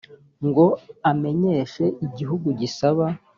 ngo amenyeshe igihugu gisaba